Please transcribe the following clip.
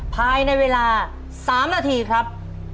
ภายในเวลา๓นาทีครับ